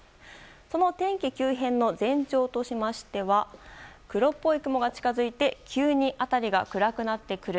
その天気急変の前兆としましては黒っぽい雲が近づいて急に辺りが暗くなってくる。